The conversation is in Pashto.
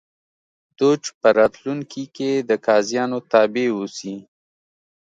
دوج په راتلونکي کې د قاضیانو تابع اوسي